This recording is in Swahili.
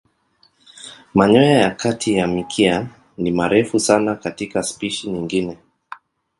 Manyoya ya kati ya mkia ni marefu sana katika spishi nyingine.